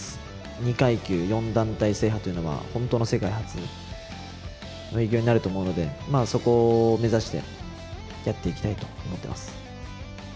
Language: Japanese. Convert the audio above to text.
２階級４団体制覇というのは、本当の世界初の偉業になると思うので、そこを目指してやっていきたいと思ってます。